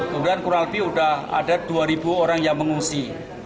kemudian kurang lebih ada dua ribu orang yang mengungsi